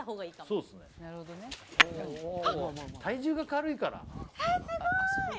体重が軽いから。